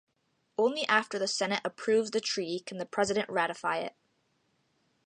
Only after the Senate approves the treaty can the President ratify it.